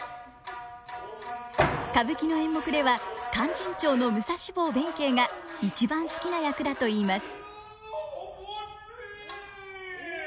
歌舞伎の演目では「勧進帳」の武蔵坊弁慶が一番好きな役だと言います。